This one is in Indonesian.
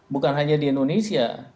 bukan hanya di indonesia